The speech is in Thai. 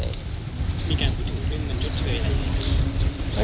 มีการพูดถึงเรื่องเงินชดเชยอะไรอย่างนี้